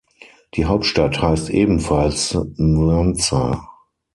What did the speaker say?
Die Hauptstadt heißt ebenfalls Mwanza.